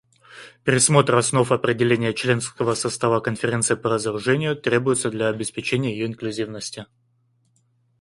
Пересмотр основ определения членского состава Конференции по разоружению требуется для обеспечения ее инклюзивности.